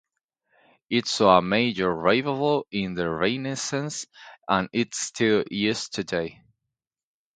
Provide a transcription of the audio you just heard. It saw a major revival in the Renaissance, and still is used today.